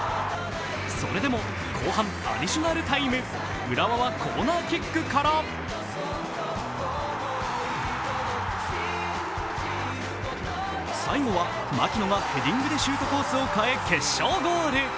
それでも後半アディショナルタイム浦和はコーナーキックから最後は槙野がヘディングでシュートコースを変え決勝ゴール。